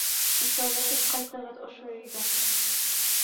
Икәүләшеп ҡайтығыҙ ошо өйгә!